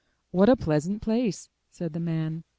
What a pleasant place!'* said the man.